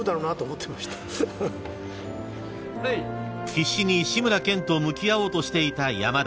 ［必死に志村けんと向き合おうとしていた山田］